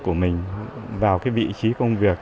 của mình vào cái vị trí công việc